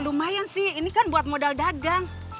lumayan sih ini kan buat modal dagang